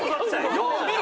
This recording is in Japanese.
よう見ろ！